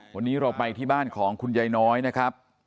วันนี้เราไปที่บ้านของคุณยายน้อยนะครับ